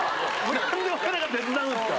何で俺らが手伝うんですか。